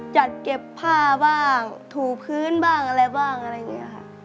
จัดเก็บผ้าบ้างถูพื้นบ้างอะไรบ้างอะไรอย่างนี้ค่ะ